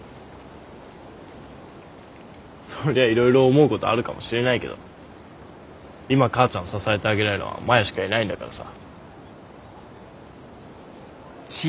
そりゃいろいろ思うことあるかもしれないけど今母ちゃん支えてあげられるのはマヤしかいないんだからさ。